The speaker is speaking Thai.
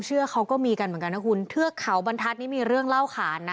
เชือกเขาก็มีกันเหมือนกันนะคุณเทือกเขาบรรทัศน์นี่มีเรื่องเล่าขานนะ